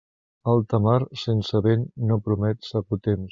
Alta mar sense vent no promet segur temps.